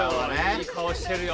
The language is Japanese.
いい顔してるよ。